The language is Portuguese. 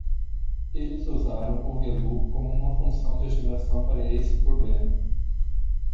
Eles usaram o relu como uma função de ativação para esse problema.